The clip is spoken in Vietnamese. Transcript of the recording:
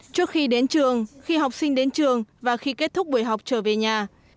trước khi đến trường khi học sinh đến trường và khi kết thúc buổi học trở về nhà